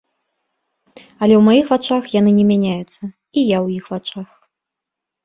Але ў маіх вачах яны не мяняюцца, і я ў іх вачах.